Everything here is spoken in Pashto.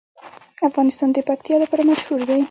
افغانستان د پکتیا لپاره مشهور دی.